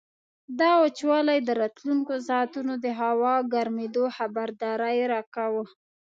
دا وچوالی د راتلونکو ساعتونو د هوا ګرمېدو خبرداری راکاوه.